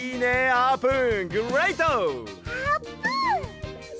あーぷん！